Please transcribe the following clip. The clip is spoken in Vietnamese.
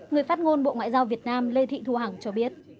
người phát ngôn bộ ngoại giao việt nam lê thị thu hằng cho biết